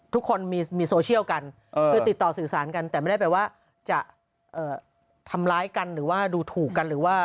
ทุกคนมีโซเชียลกันคือติดต่อสื่อสารกันแต่ไม่ได้แปลว่าจะทำร้ายกันหรือว่าดูถูกกันหรือว่า